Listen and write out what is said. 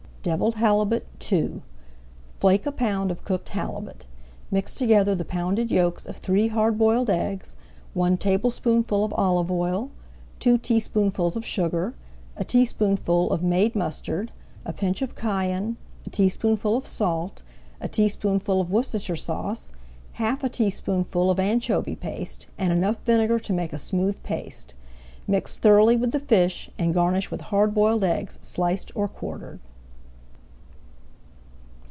DEVILLED HALIBUT II Flake a pound of cooked halibut. Mix together the pounded yolks of three hard boiled eggs, one tablespoonful of olive oil, two teaspoonfuls of sugar, a teaspoonful of made mustard, a pinch of cayenne, a teaspoonful of salt, a teaspoonful of Worcestershire sauce, half a teaspoonful of anchovy paste, and enough vinegar to make a smooth paste. Mix thoroughly with the fish, and garnish with hard boiled eggs sliced or quartered.